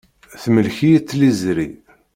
Temlek-iyi tliẓri.